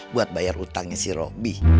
buat bayar utangnya si roby